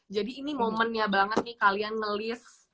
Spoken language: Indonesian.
jadi ini momennya banget nih kalian nge list